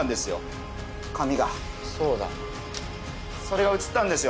それが写ったんですよ